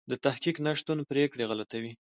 د تحقیق نشتون پرېکړې غلطوي.